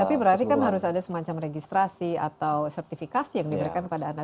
tapi berarti kan harus ada semacam registrasi atau sertifikasi yang diberikan kepada anak